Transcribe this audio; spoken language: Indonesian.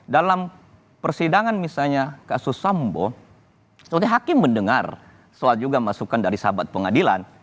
dalam persidangan misalnya kasus sambo hakim mendengar soal juga masukan dari sahabat pengadilan